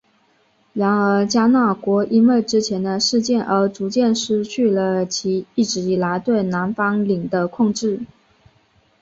然而迦纳国因为之前的事件而逐渐失去了其一直以来对南方领的控制。